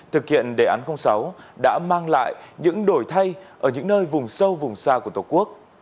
thực hiện đề án sáu đã mang lại những đổi thay ở những nơi vùng sâu vùng xa của tổ quốc